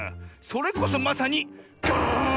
それこそまさに「ガーン！」